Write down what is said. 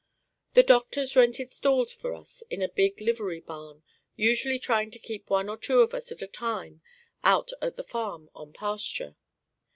The doctors rented stalls for us in a big livery barn, usually trying to keep one or two of us at a time out at the farm on pasture.